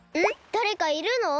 だれかいるの！？